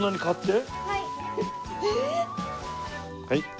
はい。